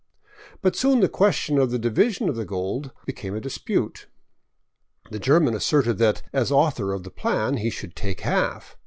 But soon the question of the division of the gold became a dispute. The German asserted that, as author of the plan, he should take half.